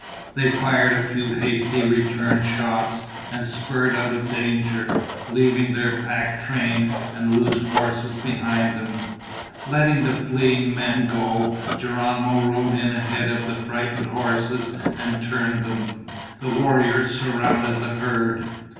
They fired a few hasty return shots and spurred out of danger, leaving their pack train and loose horses behind them. Letting the fleeing men go, Geronimo rode in ahead of the frightened horses and turned them. The warriors surrounded the herd.